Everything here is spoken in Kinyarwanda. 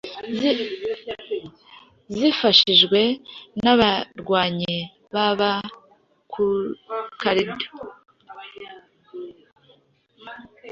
zifashijwe n'abarwanyi b'aba Kurde